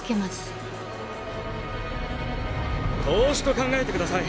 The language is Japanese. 投資と考えてください。